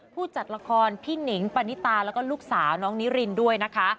ผู้จัดละครพี่หนิงปณิตาแล้วก็ลูกสาวน้องนิรินด้วยนะคะ